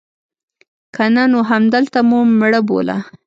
که نه نو همدلته مو مړه بوله.